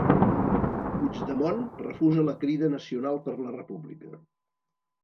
Puigdemont refusa la Crida Nacional per la República